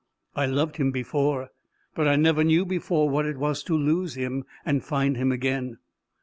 I loved him before, but I never knew before what it was to lose him and find him again.